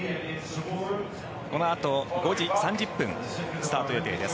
このあと５時３０分スタート予定です。